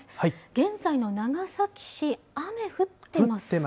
現在の長崎市、降ってますね。